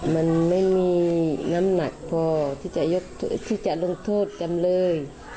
มันไม่มีน้ำหนักพอที่จะลงโทษจำเลย